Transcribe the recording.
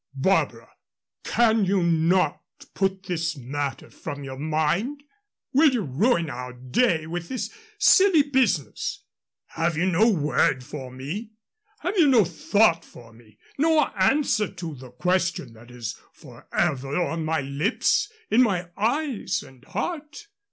"Barbara, can you not put this matter from your mind? Will you ruin our day with this silly business? Have you no word for me? Have you no thought for me no answer to the question that is forever on my lips, in my eyes and heart?"